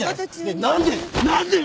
何で！